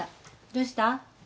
どうした？